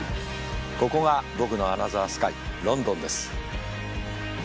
ここが僕のアナザースカイロンドンです。